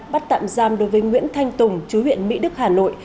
bắt tạm giam đối với nguyễn thanh tùng chú huyện mỹ đức hà nội